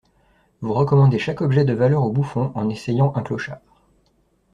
Vous recommandez chaque objet de valeur au bouffon en essayant un clochard.